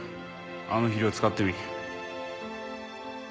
あの肥料使ってみ。